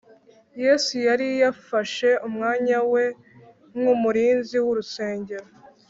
yesu yari yafashe umwanya we nk’umurinzi w’urusengero